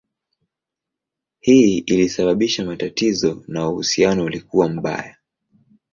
Hii ilisababisha matatizo na uhusiano ulikuwa mbaya.